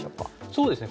そうですね。